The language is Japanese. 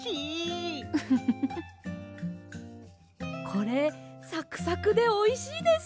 これサクサクでおいしいです。